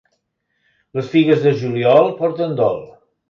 Les figues de juliol porten dol.